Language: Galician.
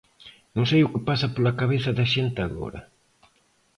Non sei o que pasa pola cabeza da xente agora.